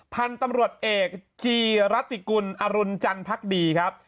พันธุ์ตำรวจเอกจีรัติกุลอรุณจันพักดีครับ